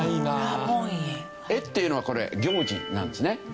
「会」っていうのはこれ行事なんですね。